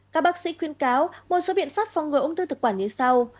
các bác sĩ khuyên cáo một số biện pháp phòng ngừa ung thư thực quản như sau